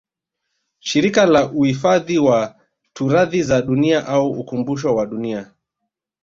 Shirika la Uifadhi wa turathi za dunia au ukumbushio wa Dunia